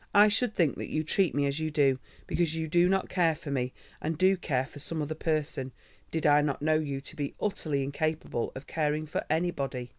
I should think that you treat me as you do because you do not care for me and do care for some other person did I not know you to be utterly incapable of caring for anybody.